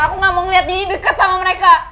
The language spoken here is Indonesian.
aku gak mau ngeliat diri deket sama mereka